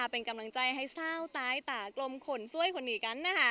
เป็นกำลังใจให้สาวตายตากลมขนสวยคนนี้กันนะคะ